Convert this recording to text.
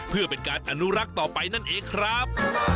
เพื่อเป็นการอนุรักษ์ต่อไปนั่นเองครับ